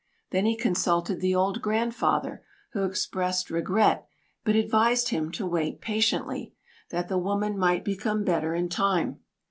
Then he consulted the old grandfather, who expressed regret, but advised him to wait patiently, that the woman might become better in time.